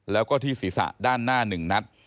แล้วก็ที่ศีรษะด้านหน้า๑นัด